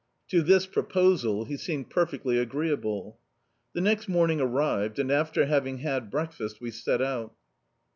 To this proposal he seemed perfectly agreeable. The next morning arrived and after having had breakfast, we set out.